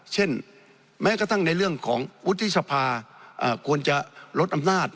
แม้กระทั่งในเรื่องของวุฒิสภาควรจะลดอำนาจ